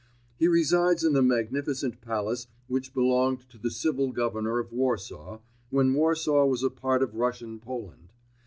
He resides in the magnificent palace which belonged to the Civil Governor of Warsaw, when Warsaw was a part of Russian Poland.